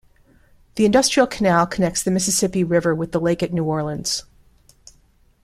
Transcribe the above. The Industrial Canal connects the Mississippi River with the lake at New Orleans.